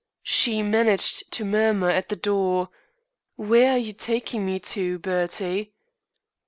She managed to murmur at the door: "Where are you taking me to, Bertie?"